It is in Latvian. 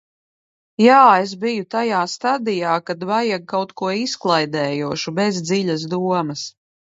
Jā, es biju tajā stadijā, kad vajag kaut ko izklaidējošu, bez dziļas domas.